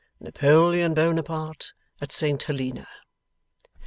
Napoleon Buonaparte at St Helena.